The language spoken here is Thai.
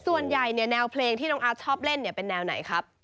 ส่วนใหญ่เนี่ยแนวเพลงที่น้องอาร์ตชอบเล่นเป็นแนวไหนครับ